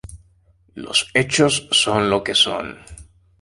los hechos son los que son